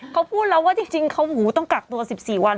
เขาพูดแล้วว่าจริงเขาต้องกักตัว๑๔วัน